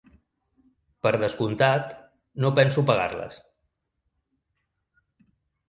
Per descomptat, no penso pagar-les.